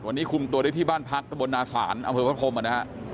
วันนี้คุมตัวได้ที่บ้านพักตะบนนาศาลอำเภอพระพรมนะฮะ